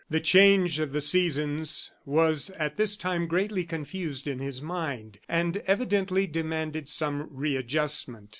The change of the seasons was at this time greatly confused in his mind, and evidently demanded some readjustment.